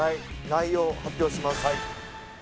内容発表します。